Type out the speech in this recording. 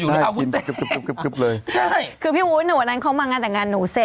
เกิดอะไรขึ้นพี่วุ้นอ๋อเมื่อกี้นี้ไอ้แจ๊คเตอร์อ๋อก็ใช่ไง